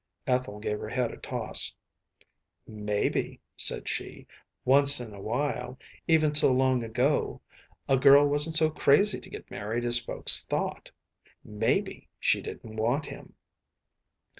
‚ÄĚ Ethel gave her head a toss. ‚ÄúMaybe,‚ÄĚ said she, “once in a while, even so long ago, a girl wasn’t so crazy to get married as folks thought. Maybe she didn’t want him.